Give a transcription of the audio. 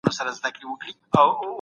ایمان د بنده او خدای ترمنځ یو پټ راز دی.